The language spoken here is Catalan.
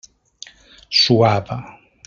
Suava.